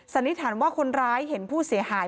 นิษฐานว่าคนร้ายเห็นผู้เสียหาย